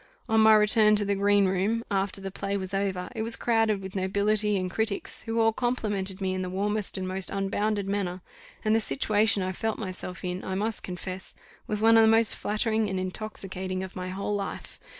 On my return to the green room, after the play was over, it was crowded with nobility and critics, who all complimented me in the warmest and most unbounded manner; and the situation I felt myself in, I must confess, was one of the most flattering and intoxicating of my whole life.